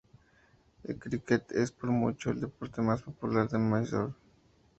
El críquet es por mucho, el deporte más popular de Mysore.